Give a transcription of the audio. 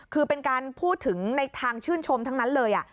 คือเป็นการพูดถึงในทางชื่นชมทั้งนั้นเลย